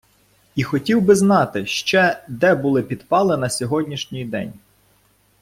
І хотів би знати, ще де були підпали на сьогоднішній день?